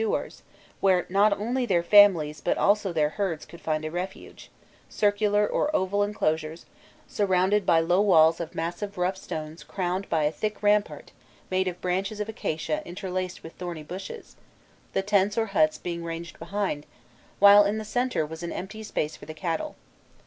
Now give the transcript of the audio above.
Elsewhere they possessed fortified "duars," where not only their families but also their herds could find a refuge circular or oval enclosures, surrounded by low walls of massive rough stones crowned by a thick rampart made of branches of acacia interlaced with thorny bushes, the tents or huts being ranged behind, while in the centre was an empty space for the cattle.